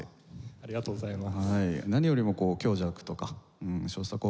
ありがとうございます。